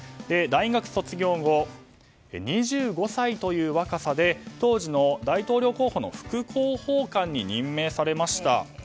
大学卒業後、２５歳という若さで当時の大統領候補の副広報官に任命されました。